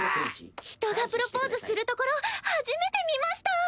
人がプロポーズするところ初めて見ました。